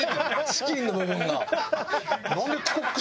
チキンの部分が。